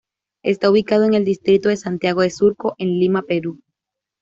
Está ubicado en el distrito de Santiago de Surco, en Lima, Perú.